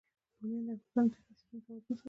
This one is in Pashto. بامیان د افغانستان د طبعي سیسټم توازن ساتي.